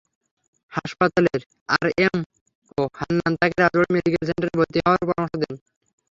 হাসপাতালের আরএমও হান্নান তাঁকে রাজবাড়ী মেডিকেল সেন্টারে ভর্তি হওয়ার পরামর্শ দেন।